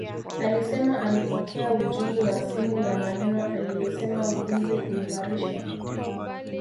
Alisema alipokea ujumbe wa simu ya maneno aliyosema ulinzi uimarishwe